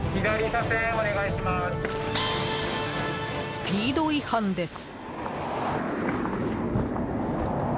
スピード違反です。